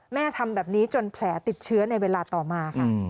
ทำแบบนี้จนแผลติดเชื้อในเวลาต่อมาค่ะ